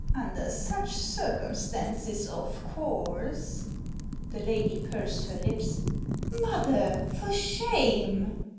Under such circumstances, of course *' The lady pursed her lips. "Mother, for shame!"